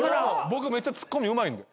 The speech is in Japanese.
僕めっちゃツッコミうまいんで。